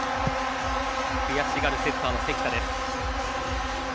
悔しがるセッターの関田です。